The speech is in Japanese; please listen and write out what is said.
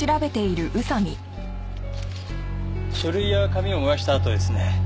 書類や紙を燃やした跡ですね。